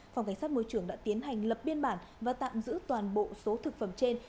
phòng cảnh sát môi trường đã tiến hành lập biên bản và tạm giữ toàn bộ số thực phẩm trên